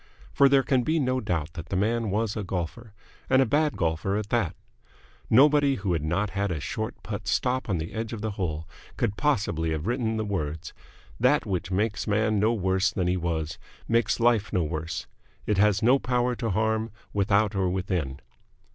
For there can be no doubt that the man was a golfer, and a bad golfer at that. Nobody who had not had a short putt stop on the edge of the hole could possibly have written the words: "That which makes the man no worse than he was makes life no worse. It has no power to harm, without or within."